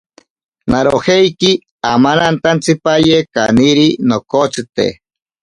Narojeiki amanantantsipaye kaniri nokotsite.